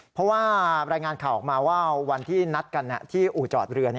เพราะว่ารายงานข่าวออกมาว่าวันที่นัดกันที่อู่จอดเรือ